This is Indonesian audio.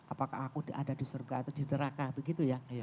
apakah aku ada di surga atau di neraka begitu ya